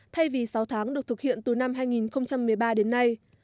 thay vì sáu tháng được thực hiện từ năm hai nghìn một mươi ba đến nay